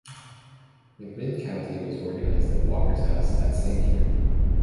McMinn County was organized at Walker's house that same year.